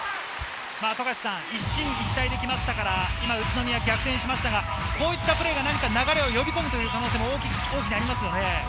一進一退できましたから、宇都宮は逆転しましたが、こういったプレーが流れを呼び込むという可能性は大いにありますよね。